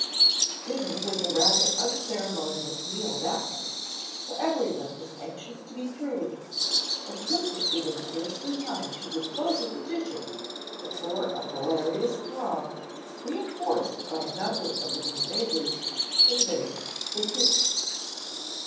Dinner was a rather unceremonious meal that night, for everyone was anxious to be through with it and cook was given scarcely time to dispose of the dishes before an hilarious throng, reinforced by a number of the near neighbors, invaded the kitchen.